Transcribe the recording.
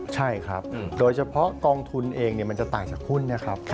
ใช่ครับโดยเฉพาะกองทุนเองมันจะต่างจากหุ้นนะครับ